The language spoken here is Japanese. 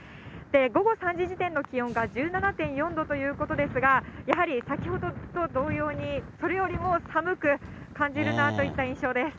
午後３時時点の気温が１７．４度ということですが、やはり先ほどと同様に、それよりも寒く感じるなといった印象です。